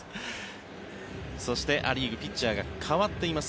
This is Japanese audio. そして、ア・リーグピッチャーが代わっています。